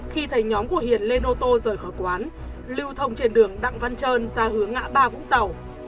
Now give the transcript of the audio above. khi thấy nhóm của hiền lên ô tô rời khỏi quán lưu thông trên đường đặng văn trơn ra hướng ngã ba vũng tàu